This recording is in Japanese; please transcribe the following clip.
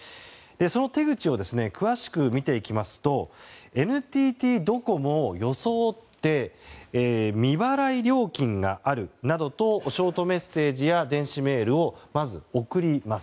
その手口を詳しく見ていきますとＮＴＴドコモを装って未払い料金があるなどとショートメッセージや電子メールをまず、送ります。